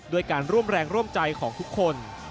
ด้วยการร่วมแรงร่วมใจของทุกคน